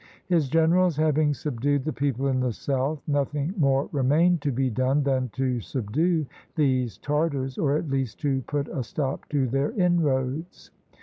His generals having subdued the people in the south, nothing more remained to be done than to subdue these Tartars, or at least to put a stop to their inroads.